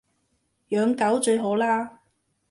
養狗最好喇